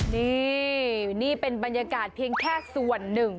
นี่นี่เป็นบรรยากาศเพียงแค่ส่วนหนึ่ง